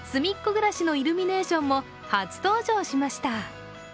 ぐらしのイルミネーションも初登場しました。